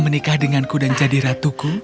menikah denganku dan jadi ratuku